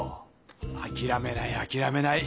あきらめないあきらめない。